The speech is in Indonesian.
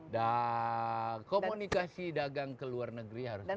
dan komunikasi dagang ke luar negeri harus jadi